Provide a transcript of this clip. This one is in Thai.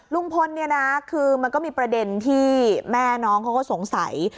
ลุงพลเนี่ยนะคือมันก็มีประเด็นที่แม่น้องเขาก็สงสัย